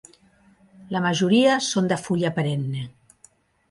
La majoria són de fulla perenne.